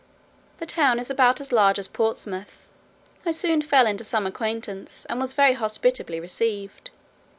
The town is about as large as Portsmouth. I soon fell into some acquaintance, and was very hospitably received.